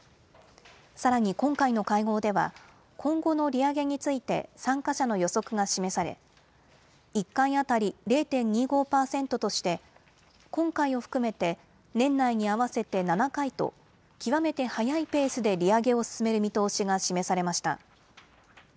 さらに今回の会合では今後の利上げについて参加者の予測が示され、１回当たり０．２５％として今回を含めて年内に合わせて７回と極めて速いペースで利上げを進める見通しが示されました。